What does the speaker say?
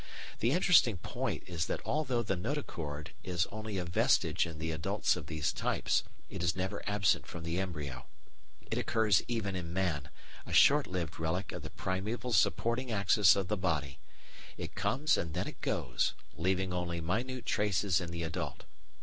The interesting point is that although the notochord is only a vestige in the adults of these types, it is never absent from the embryo. It occurs even in man, a short lived relic of the primeval supporting axis of the body. It comes and then it goes, leaving only minute traces in the adult.